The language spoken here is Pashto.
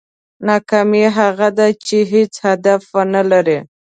ناکامي هغه ده چې هېڅ هدف ونه لرې.